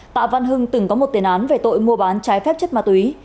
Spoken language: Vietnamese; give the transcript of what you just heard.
tạ văn hưng từng có một tiền án về tội mua bán trái phép chất ma túy